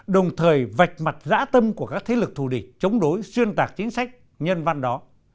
đồng thời vạch mặt dã tâm của các thế lực thù địch chống đối xuyên tạc chính sách nhân văn đó